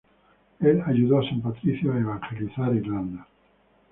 Él ayudó a San Patricio a evangelizar en Irlanda.